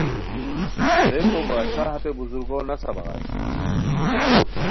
ریکوباچھا ہتے بزرگو نسہ بغائے